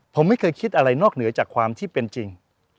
ผมไม่เคยคิดอะไรนอกเหนือจากความที่เป็นจริง